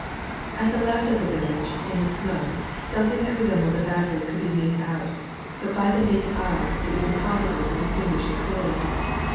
At the left of the village, in the smoke, something that re sembled a battery could be made out, but by the naked eye, it was impossible to distinguish it clearly.